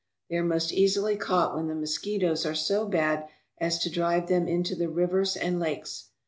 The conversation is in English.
They are most easily caught when the mosquitoes are so bad as to drive them into the rivers and lakes.